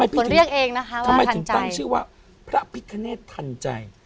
ผิดเรียกเองนะคะว่าทำไมถึงตั้งชื่อว่าพระพิคเนธทันใจ